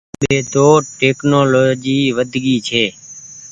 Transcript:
اٻي تو ٽيڪنولآجي ود گئي ڇي۔